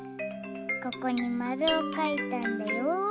ここにまるをかいたんだよ。